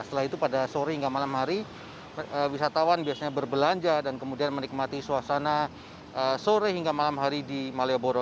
setelah itu pada sore hingga malam hari wisatawan biasanya berbelanja dan kemudian menikmati suasana sore hingga malam hari di malioboro